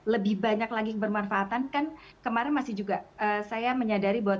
lebih banyak lagi kebermanfaatan kan kemarin masih juga saya menyadari bahwa